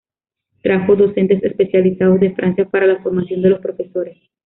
Trajo docentes especializados de Francia para la formación de los profesores.